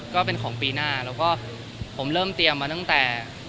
ก็เป็นของปีหน้าแล้วก็ผมเริ่มเตรียมมาตั้งแต่